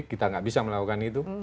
kita nggak bisa melakukan itu